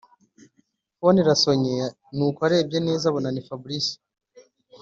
phone irasonye nuko arebye neza abona ni fabric